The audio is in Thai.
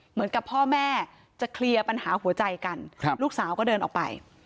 เหมือนกับพ่อแม่จะเคลียร์ปัญหาหัวใจกันลูกสาวก็เดินออกไป